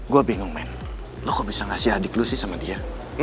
gue bingung men lo kok bisa ngasih adik lo sih sama dia